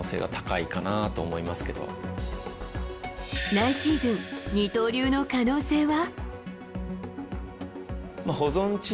来シーズン、二刀流の可能性は？